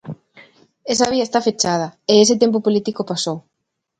Esa vía está fechada e ese tempo político pasou.